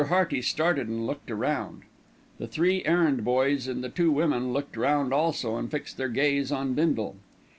Hearty started and looked round. The three errand boys and the two women looked round also and fixed their gaze on Bindle.